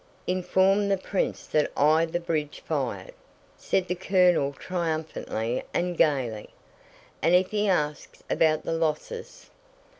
"Inform the prince that I the bridge fired!" said the colonel triumphantly and gaily. "And if he asks about the losses?"